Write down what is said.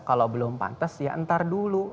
kalau belum pantes ya entar dulu